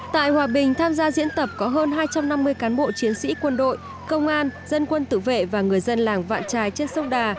tại hòa bình tham gia diễn tập có hơn hai trăm năm mươi cán bộ chiến sĩ quân đội công an dân quân tự vệ và người dân làng vạn trài trên sông đà